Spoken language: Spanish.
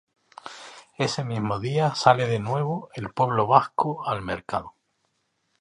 Ese mismo día sale de nuevo "El Pueblo Vasco" al mercado.